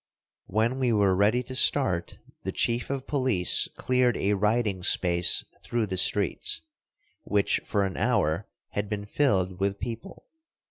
When we were ready to start the chief of police cleared a riding space through the streets, which for an hour had been filled with people.